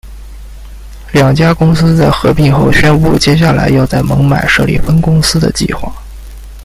两家公司在合并后宣布接下来要在孟买设立分公司的计划。